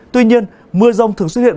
tuy nhiên mưa rong thường xuất hiện